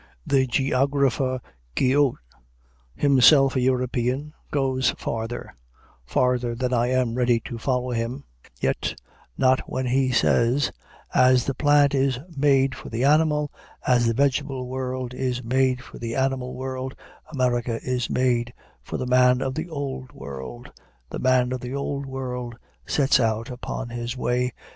The geographer Guyot, himself a European, goes farther, farther than I am ready to follow him; yet not when he says, "As the plant is made for the animal, as the vegetable world is made for the animal world, America is made for the man of the Old World.... The man of the Old World sets out upon his way.